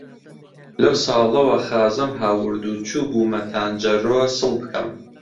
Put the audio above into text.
لەو ساڵەوە خازەم هاورد و چووبوومە تانجەرۆ سڵ بکەم،